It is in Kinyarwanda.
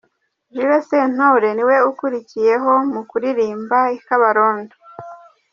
Jules Sentore niwe ukurikiyeho mu kuririmba i Kabarondo.